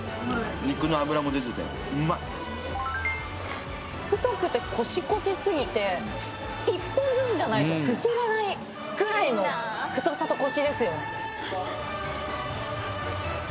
肉の脂も出ててうんまい太くてコシコシすぎて１本ずつじゃないと進まないくらいの太さとコシですよ